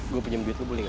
gua pinjem duit lu boleh ga